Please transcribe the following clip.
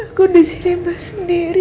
aku diserima sendiri